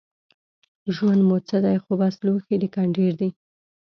ژوند مو څه دی خو بس لوښی د ګنډېر دی